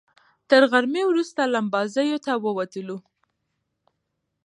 تر غرمې وروسته لمباځیو ته ووتلو.